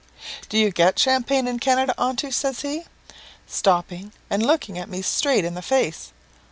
"'Do you get champagne in Canada, Aunty?' says he, stopping and looking me straight in the face.